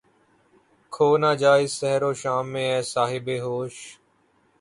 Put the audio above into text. کھو نہ جا اس سحر و شام میں اے صاحب ہوش